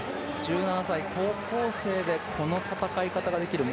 １７歳、高校生でこの戦い方ができる